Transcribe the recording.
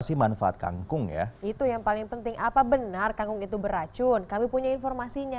kasih manfaat kangkung ya itu yang paling penting apa benar kangkung itu beracun kami punya informasinya